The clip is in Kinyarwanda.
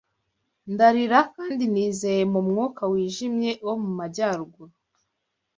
Ndarira kandi nizeye mu mwuka wijimye wo mu majyaruguru